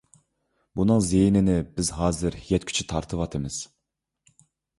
بۇنىڭ زىيىنىنى بىز ھازىر يەتكۈچە تارتىۋاتىمىز.